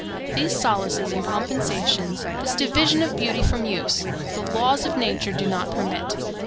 These solaces and compensations, this division of beauty from use, the laws of nature do not permit.